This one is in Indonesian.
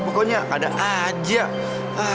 pokoknya ada aja